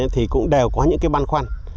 thì cũng đều có những cái băn khoăn